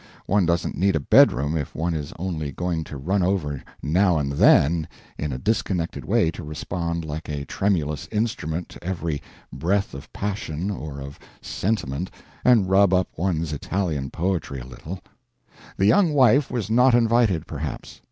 One doesn't need a bedroom if one is only going to run over now and then in a disconnected way to respond like a tremulous instrument to every breath of passion or of sentiment and rub up one's Italian poetry a little. The young wife was not invited, perhaps.